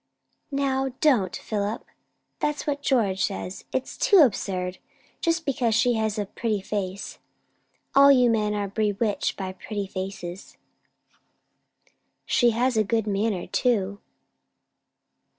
"Now, don't, Philip! That's what George says. It is too absurd. Just because she has a pretty face. All you men are bewitched by pretty faces." "She has a good manner, too."